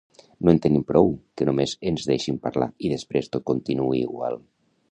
No en tenim prou que només ens deixin parlar i després tot continuï igual